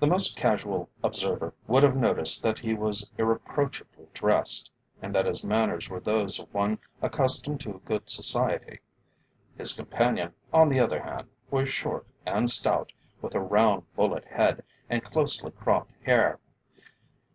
The most casual observer would have noticed that he was irreproachably dressed, and that his manners were those of one accustomed to good society. His companion, on the other hand, was short and stout, with a round bullet head, and closely cropped hair.